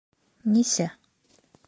Нисә?